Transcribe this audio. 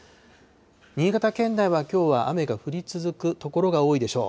新潟県内はきょうは雨が降り続く所が多いでしょう。